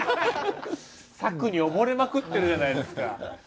策に溺れまくってるじゃないですか。